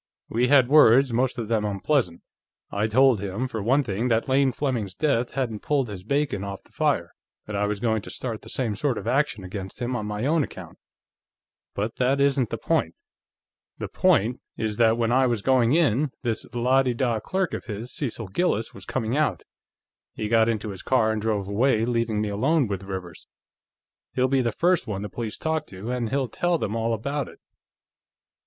We had words, most of them unpleasant. I told him, for one thing, that Lane Fleming's death hadn't pulled his bacon off the fire, that I was going to start the same sort of action against him on my own account. But that isn't the point. The point is that when I was going in, this la de da clerk of his, Cecil Gillis, was coming out. He got into his car and drove away, leaving me alone with Rivers. He'll be the first one the police talk to, and he'll tell them all about it."